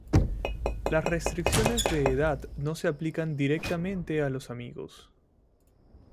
Las restricciones de edad no se aplican directamente a los amigos.